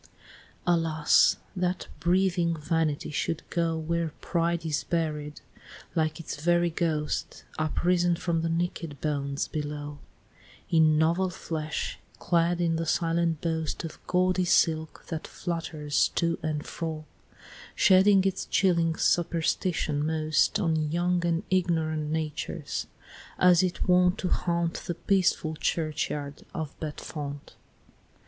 Alas! That breathing Vanity should go Where Pride is buried, like its very ghost, Uprisen from the naked bones below, In novel flesh, clad in the silent boast Of gaudy silk that flutters to and fro, Shedding its chilling superstition most On young and ignorant natures as it wont To haunt the peaceful churchyard of Bedfont!